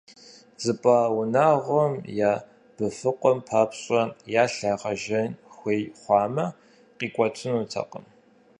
ЗыпӀа унагъуэми я быфыкъуэм папщӀэ ялъ ягъэжэн хуей хъуамэ, къикӀуэтынутэкъым.